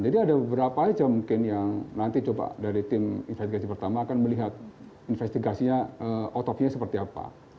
jadi ada beberapa aja mungkin yang nanti coba dari tim investigasi pertama akan melihat investigasinya otopsinya seperti apa